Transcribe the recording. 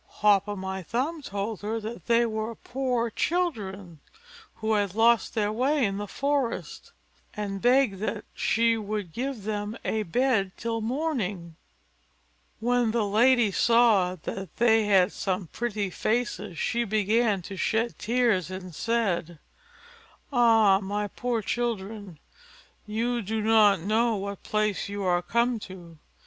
Hop o' my thumb told her that they were poor children, who had lost their way in the forest, and begged that she would give them a bed till morning. When the lady saw that they had such pretty faces, she began to shed tears and said, "Ah! my poor children, you do not know what place you are come to.